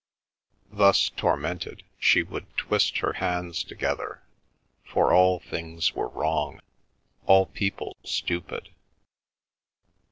Thus tormented, she would twist her hands together, for all things were wrong, all people stupid.